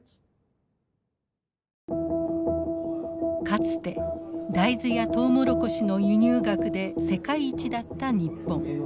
かつて大豆やトウモロコシの輸入額で世界一だった日本。